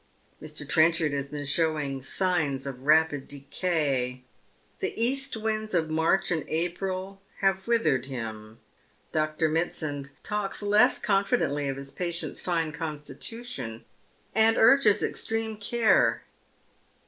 Mr. Trenchard has been showing signs of rapid decay. The east vdnds of March and April have withered him. Dr. Mitsand talks less confidently of his patient's fine constitution, and urges extreme care.